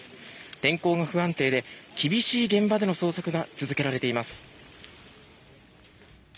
天候が不安定で厳しい現場での捜索が続けられています。